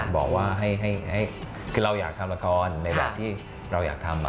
บอกว่าให้คือเราอยากทำละครในแบบที่เราอยากทำ